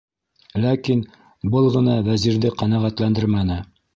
Ләкин был ғына Вәзирҙе ҡәнәғәтләндермәне.